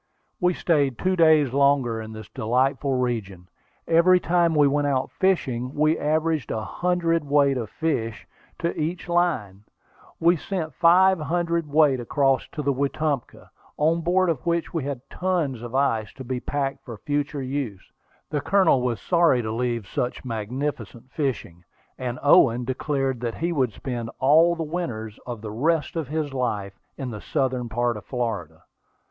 We stayed two days longer in this delightful region. Every time we went out fishing we averaged a hundred weight of fish to each line. We sent five hundred weight across to the Wetumpka, on board of which we had tons of ice, to be packed for future use. The Colonel was sorry to leave such magnificent fishing, and Owen declared that he would spend all the winters of the rest of his life in the southern part of Florida.